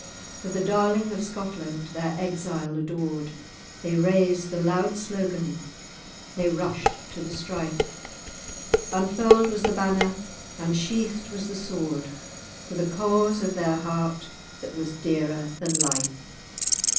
For the darling of Scotland, their exile adored, They raised the loud slogan—they rushed to the strife; Unfurl'd was the banner, unsheathed was the sword, For the cause of their heart, that was dearer than life."